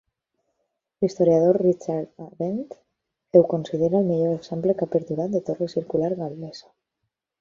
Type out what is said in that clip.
L'historiador Richard Avent ho considera "el millor exemple que ha perdurat de torre circular gal·lesa".